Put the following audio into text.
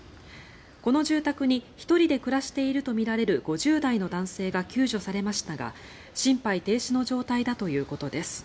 この住宅に１人で暮らしているとみられる５０代の男性が救助されましたが心肺停止の状態だということです。